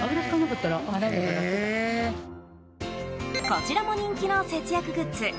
こちらも人気の節約グッズ